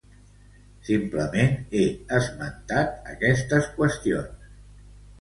Simplement he esmentat aquestes qüestions.